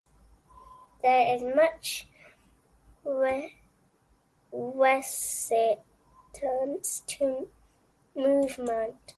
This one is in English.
There is much resitance to movement.